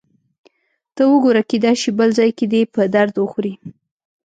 ته وګوره، کېدای شي بل ځای کې دې په درد وخوري.